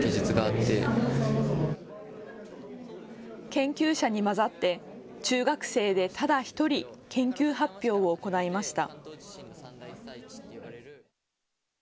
研究者に混ざって中学生でただ１人、研究発表を行いました。